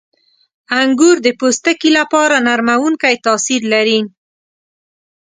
• انګور د پوستکي لپاره نرمونکی تاثیر لري.